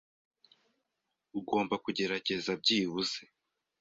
Ugomba kugerageza byibuze.